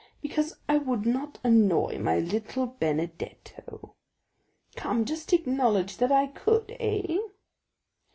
Because I would not annoy my little Benedetto. Come, just acknowledge that I could, eh?"